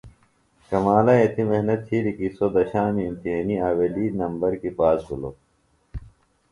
کمالہ ایتی محنت تِھیلیۡ کیۡ سوۡ دشامی امتحینیۡ آویلی نمر کیۡ پاس بِھلوۡ۔